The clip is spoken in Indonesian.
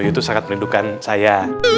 itu sangat melindungi saya